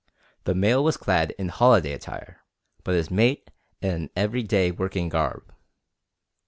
The male was clad in holiday attire, but his mate in an every day working garb.